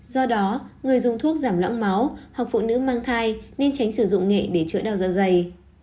do đó người dùng thuốc giảm lõng máu hoặc phụ nữ mang thai nên tránh sử dụng nghệ để chữa đau dạ dày